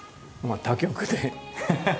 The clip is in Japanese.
他局で。